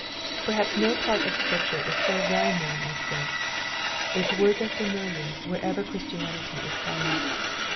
Perhaps no part of Scripture is so well known as this. Its words are familiar, wherever Christianity is found.